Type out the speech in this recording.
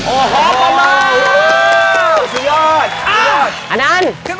โอ้โหประมาณมาก